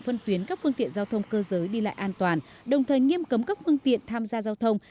phân tuyến các phương tiện giao thông cơ giới đi lại an toàn đồng thời nghiêm cấm các phương tiện tham gia giao thông